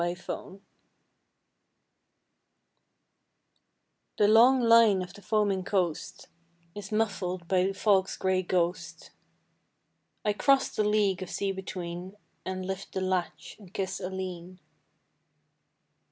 ALEEN The long line of the foaming coast Is muffled by the fog's gray ghost. I cross the league of sea between And lift the latch and kiss Aleen.